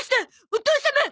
お父様！